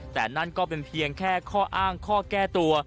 แต่นั่นก็เป็นเพียงแค่ข้ออ้างข้อแก้ตัว